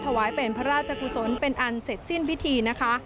ถวายเป็นพระราชกุศลเป็นอันเสร็จสิ้นพิธีนะคะ